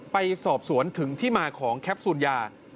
ไปสอบสวนถึงที่มาของแคปซูลยา